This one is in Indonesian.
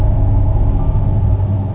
saya akan keluar